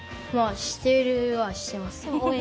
してるはしてます。